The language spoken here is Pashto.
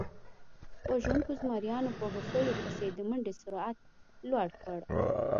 وژونکو زمریانو په هوسیو پسې د منډې سرعت لوړ کړ.